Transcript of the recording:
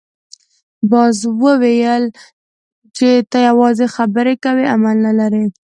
باز وویل چې ته یوازې خبرې کوې عمل نه لرې.